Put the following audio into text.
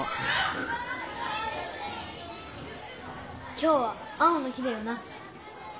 今日は青の日だよな！